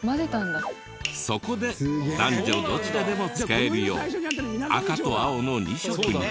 そこで男女どちらでも使えるよう赤と青の２色に。